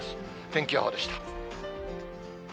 天気予報でした。